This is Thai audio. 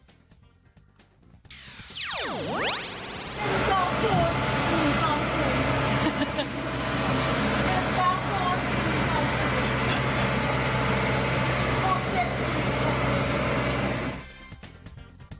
ถึงเหรอ